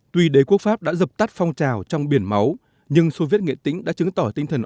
tuy đế quốc pháp đã dập tắt phong trào trong biển máu nhưng soviet nghệ tĩnh đã chứng tỏ tinh thần